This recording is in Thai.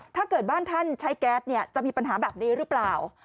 ถ้าเกิดบ้านท่านใช้แก๊สเนี่ยจะมีปัญหาแบบนี้หรือเปล่า